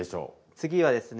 次はですね